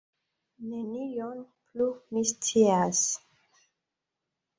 Nenion plu mi scias.